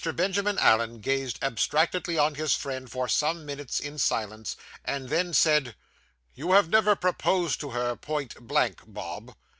Benjamin Allen gazed abstractedly on his friend for some minutes in silence, and then said 'You have never proposed to her, point blank, Bob?